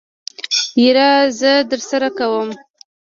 يره زه درسره ګورم.